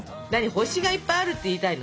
星がいっぱいあるって言いたいの？